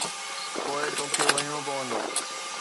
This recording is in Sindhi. پوءِ توکي وڃڻو پوندو.